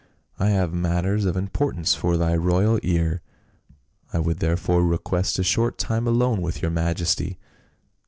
" I have matters of im portance for thy royal ear. I would therefore request a short time alone with your majesty."